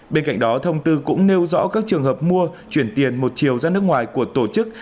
bên cạnh đó thông tư cũng nêu rõ các trường hợp mua chuyển tiền một chiều ra nước ngoài của tổ chức